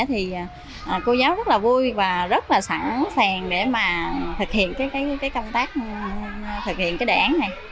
thì cô giáo rất là vui và rất là sẵn sàng để mà thực hiện cái công tác thực hiện cái đề án này